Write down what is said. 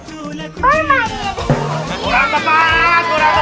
kurang tepat kurang tepat